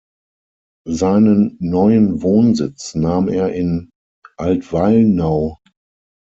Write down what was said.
Seinen neuen Wohnsitz nahm er in Altweilnau.